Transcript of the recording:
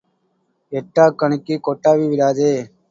எட்டாக் கனிக்குக் கொட்டாவி விடாதே.